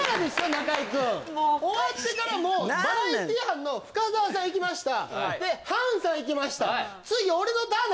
中居くん終わってからもバラエティー班の深澤さんいきましたでハンさんいきました